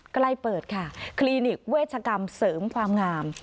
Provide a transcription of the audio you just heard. ใกล้เปิดค่ะคลินิกเวชกรรมเสริมความงาม